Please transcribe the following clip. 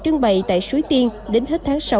trưng bày tại suối tiên đến hết tháng sáu